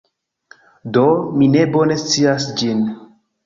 Do, mi ne bone scias ĝin